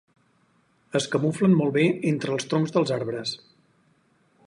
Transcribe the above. Es camuflen molt bé entre els troncs dels arbres.